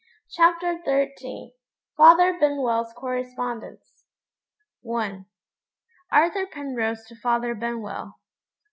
CHAPTER XIII FATHER BENWELL'S CORRESPONDENCE. I. _Arthur Penrose to Father Benwell.